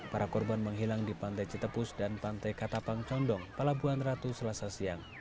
para korban menghilang di pantai citepus dan pantai katapang condong pelabuhan ratu selasa siang